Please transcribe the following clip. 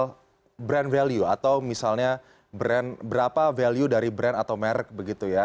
soal brand value atau misalnya berapa value dari brand atau merk begitu ya